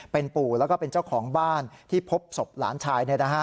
เป็นปู่แล้วก็เป็นเจ้าของบ้านที่พบศพหลานชาย